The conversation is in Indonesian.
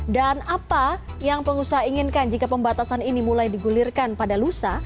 dan apa yang pengusaha inginkan jika pembatasan ini mulai digulirkan pada lusa